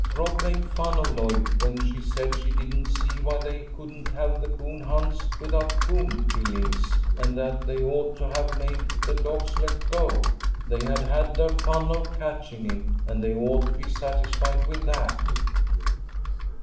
Rob made fun of Lloyd when she said she didn't see why they couldn't have coon hunts without coon killings, and that they ought to have made the dogs let go. They had had the fun of catching it, and they ought to be satisfied with that.